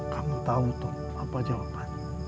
kamu tahu tom apa jawabannya